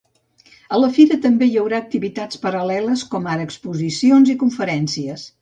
A la fira també hi haurà activitats paral·leles, com ara exposicions i conferències.